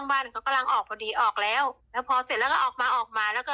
เขาเห็นห้องเปิดอยู่เขาก็จะงกดู